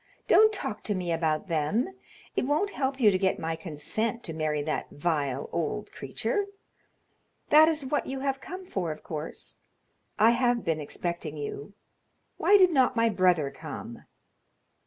Don't talk to me about them; it won't help you to get my consent to marry that vile old creature. That is what you have come for, of course. I have been expecting you; why did not my brother come?"